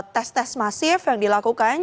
tes tes masif yang dilakukan